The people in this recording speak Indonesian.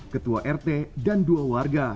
ketua rt dan dua warga